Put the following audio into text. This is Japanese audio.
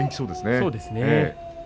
そうですね。